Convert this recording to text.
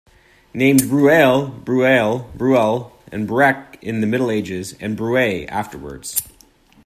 Named Bruail, Brueil, Bruel, Bruech in the Middle Ages and Bruay afterwards.